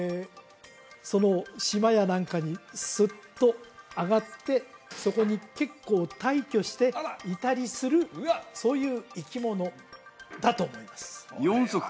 その島や何かにスッと上がってそこに結構退去していたりするそういう生き物だと思います